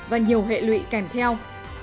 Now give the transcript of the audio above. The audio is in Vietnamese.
và nhiều hệ lụy kèm theo